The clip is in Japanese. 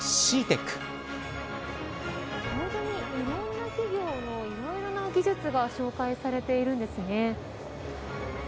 いろんな企業のいろいろな技術が紹介されているんですね。